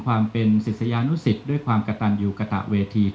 ความเป็นศิษยานุสิตด้วยความกระตันอยู่กระตะเวที